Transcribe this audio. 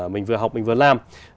mình vừa học mình vừa làm